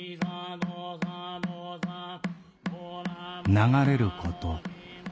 「流れること。